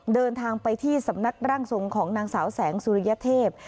เดินทางไปที่สำนักร่างทรงของนางสาวแสงสุริยเทพ